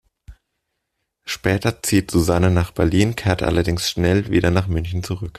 Später zieht Susanne nach Berlin, kehrt allerdings schnell wieder nach München zurück.